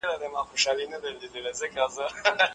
فردوسي کوم کتاب ليکلی دی؟